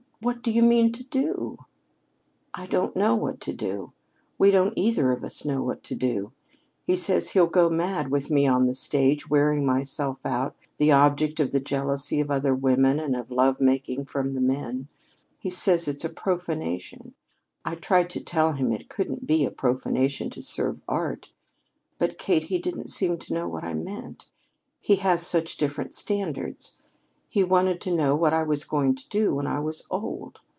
What do you mean to do?" "I don't know what to do. We don't either of us know what to do. He says he'll go mad with me on the stage, wearing myself out, the object of the jealousy of other women and of love making from the men. He says it's a profanation. I tried to tell him it couldn't be a profanation to serve art; but, Kate, he didn't seem to know what I meant. He has such different standards. He wanted to know what I was going to do when I was old.